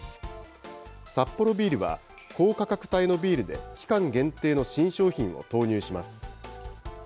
サッポロビールは、高価格帯のビールで期間限定の新商品を投入します。